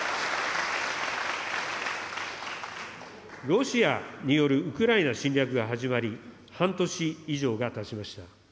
ロシアによるウクライナ侵略が始まり、半年以上がたちました。